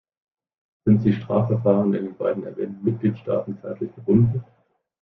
Sind die Strafverfahren in den beiden erwähnten Mitgliedstaaten zeitlich gebunden?